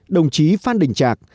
đồng chí phan đình trạc